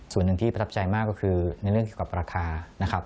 ส่วนหนึ่งที่ประทับใจมากก็คือในเรื่องเกี่ยวกับราคานะครับ